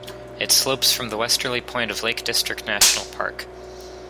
It slopes from the westerly point of the Lake District National Park.